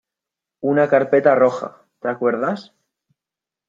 una carpeta roja. ¿ te acuerdas?